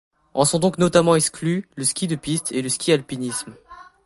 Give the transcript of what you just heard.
En sont donc notamment exclus le ski de piste et le ski-alpinisme.